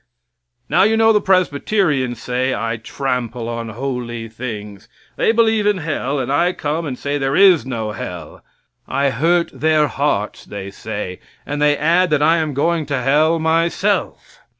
Now you know the Presbyterians say I trample on holy things. They believe in hell and I come and say there is no hell. I hurt their hearts, they say, and they add that I am going to hell myself.